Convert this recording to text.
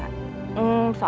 ya direnyah itu